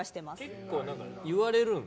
結構、言われるの？